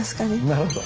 なるほど。